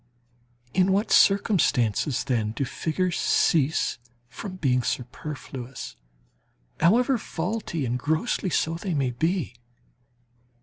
In what circumstances, then, do figures cease from being superfluous, however faulty, and grossly so, they may be?